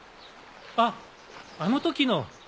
あっあの時の。